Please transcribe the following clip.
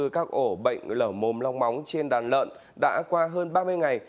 các ổ bệnh lở mồm long móng trên đàn lợn đã qua hơn ba mươi ngày